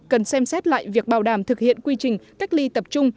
cần xem xét lại việc bảo đảm thực hiện quy trình cách ly tập trung